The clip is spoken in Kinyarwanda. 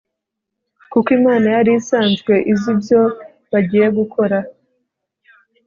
kuko imana yari isanzwe izi ibyo bagiye gukora